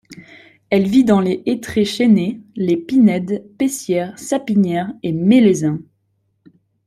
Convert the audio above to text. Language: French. Elle vit dans les hêtraie-chênaie, les pinèdes, pessières, sapinières et mélèzin.